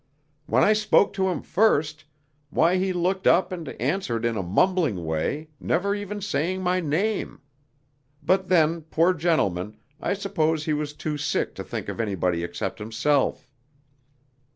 When I spoke to him first, why he looked up and answered in a mumbling way, never even saying my name. But then, poor gentleman, I suppose he was too sick to think of anybody except himself."